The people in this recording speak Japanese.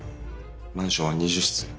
マンションは２０室。